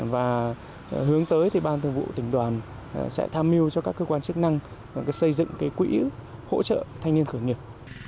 và hướng tới thì ban thường vụ tỉnh đoàn sẽ tham mưu cho các cơ quan chức năng xây dựng quỹ hỗ trợ thanh niên khởi nghiệp